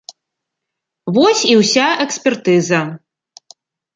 Вось і ўся экспертыза.